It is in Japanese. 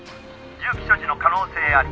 「銃器所持の可能性あり」